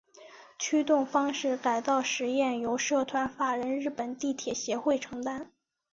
驱动方式改造试验由社团法人日本地铁协会承担。